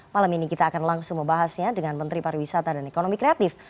malam ini kita akan langsung membahasnya dengan menteri pariwisata dan ekonomi kreatif